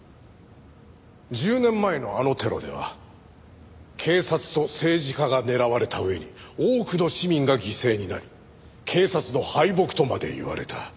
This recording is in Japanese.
１０年前のあのテロでは警察と政治家が狙われた上に多くの市民が犠牲になり警察の敗北とまで言われた。